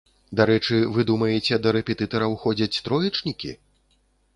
Дарэчы, вы думаеце, да рэпетытараў ходзяць троечнікі?